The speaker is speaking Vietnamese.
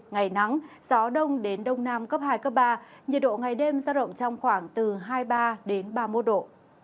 ngày nắng gió đông đến đông nam cấp hai cấp ba nhiệt độ ngày đêm ra động trong khoảng từ hai mươi ba đến ba mươi một độ